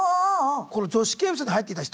この「女子刑務所に入っていた人」